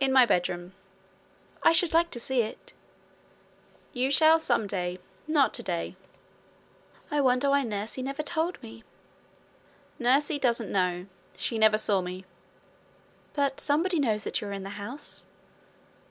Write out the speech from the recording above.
'In my bedroom.' 'I should like to see it.' 'You shall some day not today.' 'I wonder why nursie never told me.' 'Nursie doesn't know. She never saw me.' 'But somebody knows that you are in the house?'